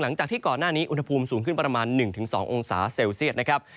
หลังจากที่ก่อนหน้านี้อุณหภูมิสูงขึ้นประมาณ๑๒องศาเซลเซียตนะครับ